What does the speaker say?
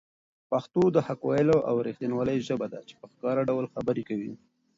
پښتو د حق ویلو او رښتینولۍ ژبه ده چي په ښکاره ډول خبرې کوي.